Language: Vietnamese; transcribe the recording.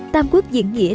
tam quốc diễn nghĩa